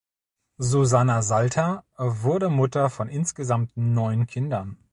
Susanna Salter wurde Mutter von insgesamt neun Kindern.